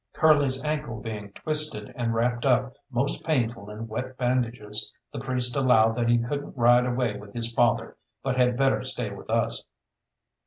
Curly's ankle being twisted, and wrapped up most painful in wet bandages, the priest allowed that he couldn't ride away with his father, but had better stay with us.